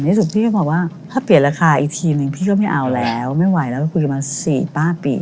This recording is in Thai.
ที่สุดพี่ก็บอกว่าถ้าเปลี่ยนราคาอีกทีนึงพี่ก็ไม่เอาแล้วไม่ไหวแล้วคุยกันมา๔ป้าปี